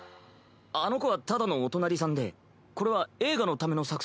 あの子はただのお隣さんでこれは映画のための作戦会議を。